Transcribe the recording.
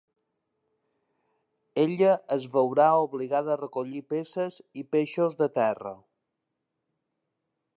Ella es veurà obligada a recollir peces i peixos de terra.